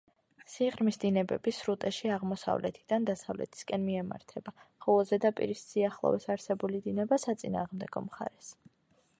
სიღრმის დინებები სრუტეში აღმოსავლეთიდან დასავლეთისკენ მიემართება, ხოლო ზედაპირის სიახლოვეს არსებული დინება საწინააღმდეგო მხარეს.